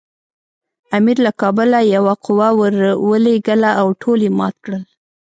امیر له کابله یوه قوه ورولېږله او ټول یې مات کړل.